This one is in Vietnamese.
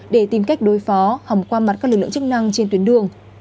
để tìm cách đối phó hồng qua mặt các lực lượng chức năng trên tuyến đường